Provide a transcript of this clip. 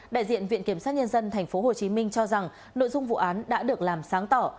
đại diện viện kiểm sát nhân dân tp hcm cho rằng nội dung vụ án đã được làm sáng tỏ